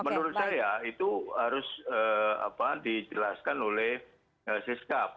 menurut saya itu harus dijelaskan oleh siskap